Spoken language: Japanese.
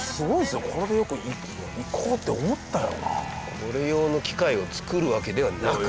これ用の機械を作るわけではなく。